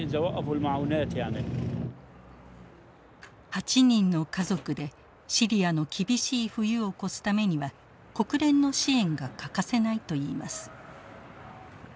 ８人の家族でシリアの厳しい冬を越すためには国連の支援が欠かせないといいます。